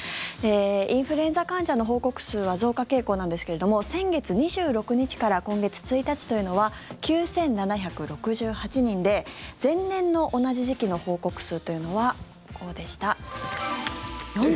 インフルエンザ患者の報告数は増加傾向なんですけれども先月２６日から今月１日というのは９７６８人で前年の同じ時期の報告数というのは、こうでした。